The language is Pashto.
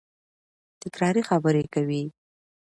تکراري خبري کوي.